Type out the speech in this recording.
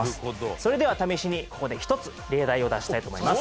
それでは試しにここで１つ例題を出したいと思います。